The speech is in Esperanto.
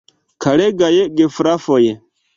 Karegaj gefrafoj!